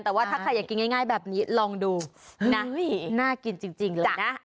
แต่ว่าถ้าใครอยากกินง่ายแบบนี้ลองดูนะน่ากินจริงเลยนะ